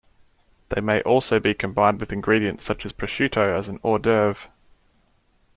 They may also be combined with ingredients such as prosciutto as an hors d'œuvre.